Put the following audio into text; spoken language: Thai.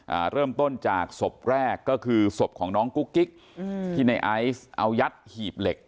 อ่าเริ่มต้นจากศพแรกก็คือศพของน้องกุ๊กกิ๊กอืมที่ในไอซ์เอายัดหีบเหล็ก